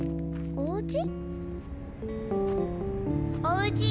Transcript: おうち？